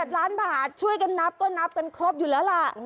๘ล้านบาทช่วยกันนับก็นับกันครบอยู่แล้วล่ะ